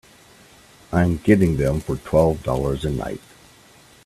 I'm getting them for twelve dollars a night.